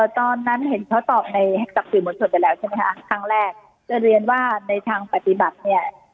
ตอนนั้นเห็นเขาตอบในกับสื่อมวลชนไปแล้วใช่ไหมคะครั้งแรกจะเรียนว่าในทางปฏิบัติเนี่ย